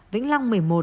vĩnh long một mươi một